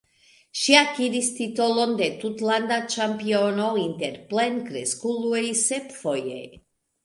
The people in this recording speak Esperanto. Ŝi akiris titolon de tutlanda ĉampiono inter plenkreskuloj sep foje.